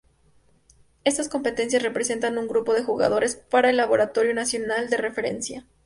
Estas competencias representan un grupo de jugadores para el laboratorio nacional de referencia.